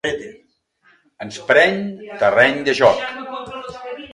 Ens pren terreny de joc.